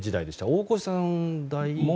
大越さんは。